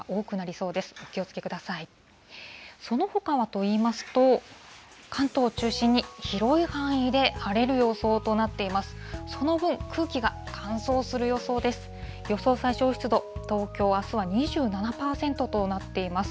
そのほかはといいますと、関東を中心に、広い範囲で晴れる予想となっています。